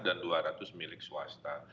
dan dua ratus milik swasta